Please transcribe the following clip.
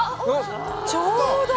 ◆ちょうど。